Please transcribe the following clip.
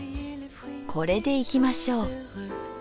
これでいきましょう。